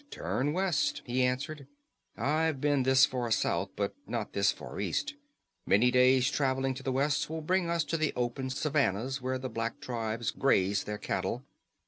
"Turn west," he answered. "I've been this far south, but not this far east. Many days' traveling to the west will bring us to the open savannas, where the black tribes graze their cattle.